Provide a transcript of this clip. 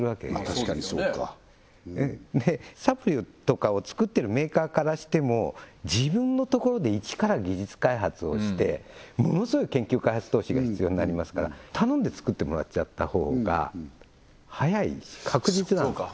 確かにそうかそうですよねでサプリとかを作ってるメーカーからしても自分のところで一から技術開発をしてものすごい研究開発投資が必要になりますから頼んで作ってもらっちゃったほうが早いし確実なんです